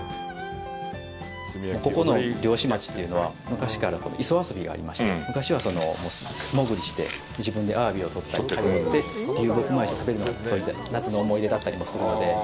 もうここの漁師町というのは昔から磯遊びがありまして、昔は素潜りして自分であわびを取ったりして、流木を燃やして食べるのが夏の思い出だったりもするので。